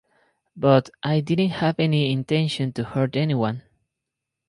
But I didn't have any intention to hurt anyone.